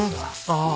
ああ